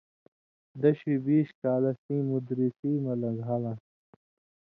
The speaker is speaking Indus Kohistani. دشُوئ بیش کالہ سیں مُدرِسی مہ لن٘گھالان٘س